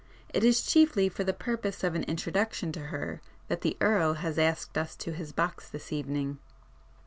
It is chiefly for the purpose of an introduction to her that the Earl has asked us to his box this evening."